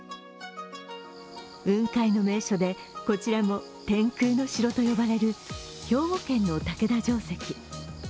雲海の名所で、こちらも天空の城と呼ばれる兵庫県の竹田城跡。